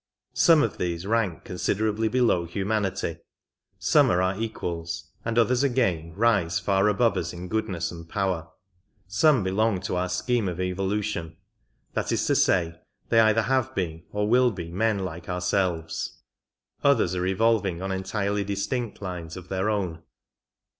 Some of these rank considerably below humanity, some are our equals, and others again rise far above us in goodness and power. Some belong to our scheme of evolution — that is to say, they either have been or will be men like ourselves ; others are evolving on entirely distinct lines of their own.